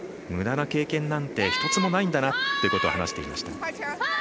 むだな経験なんて１つもないんだなということを話していました。